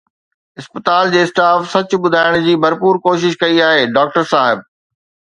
اسپتال جي اسٽاف سچ ٻڌائڻ جي ڀرپور ڪوشش ڪئي آهي، ڊاڪٽر صاحب